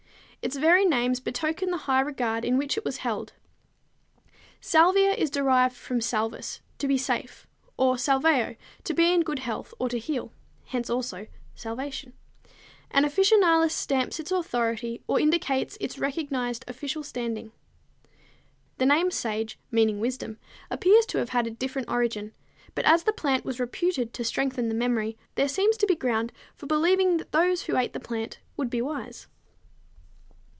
Its very names betoken the high regard in which it was held; salvia is derived from salvus, to be safe, or salveo, to be in good health or to heal; (hence also salvation!) and officinalis stamps its authority or indicates its recognized official standing. The name sage, meaning wisdom, appears to have had a different origin, but as the plant was reputed to strengthen the memory, there seems to be ground for believing that those who ate the plant would be wise.